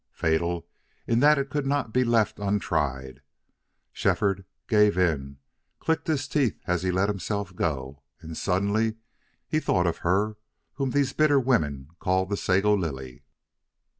Fatal in that it could not be left untried! Shefford gave in and clicked his teeth as he let himself go. And suddenly he thought of her whom these bitter women called the Sago Lily.